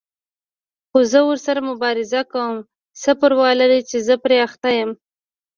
خو زه ورسره مبارزه کوم، څه پروا لري چې زه پرې اخته یم.